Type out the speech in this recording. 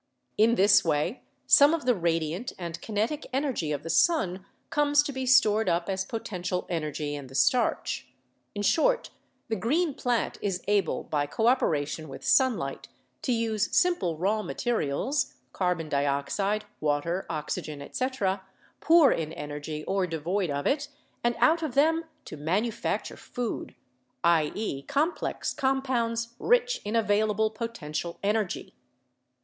In this way some of the radiant and kinetic energy of the sun comes to be stored up as potential energy in the starch. In short, the green plant is able by cooperation with sunlight to use simple raw materials (carbon dioxide, water, oxygen, etc.) poor in LIFE PROCESSES in energy or devoid of it, and out of them to manufacture food — i.e. j complex compounds rich in available potential energy.